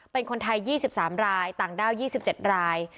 เป็นคนไทย๒๓รายต่างด้าว๒๗ราย